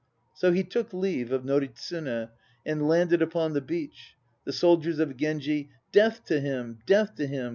So he took leave of Noritsune And landed upon the beach. The soldiers of Genji "Death to him, death to him!"